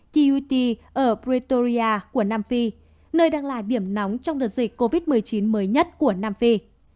t u t ở pretoria của nam phi nơi đang là điểm nóng trong đợt dịch covid một mươi chín mới nhất của nam phi